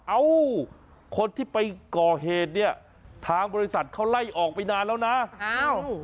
เอ้าคนที่ไปก่อเหตุเนี่ยทางบริษัทเขาไล่ออกไปนานแล้วนะอ้าว